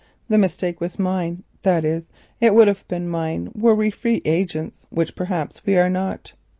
The sin was mine; that is it would have been mine were we free agents, which perhaps we are not.